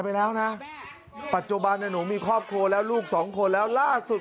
ไปแล้วนะปัจจุบันหนูมีครอบครัวแล้วลูกสองคนแล้วล่าสุด